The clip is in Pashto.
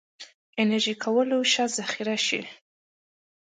انرژي کولی شي ذخیره شي.